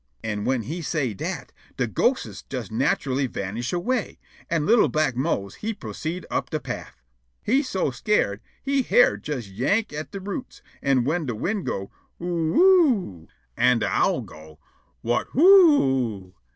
An' whin he say' dat, de ghostes jes natchully vanish away, an' li'l' black Mose he proceed' up de paff. He so scared he hair jes yank' at de roots, an' whin de wind go', "Oo oo o o o!" an' de owl go', "Whut whoo o o o!"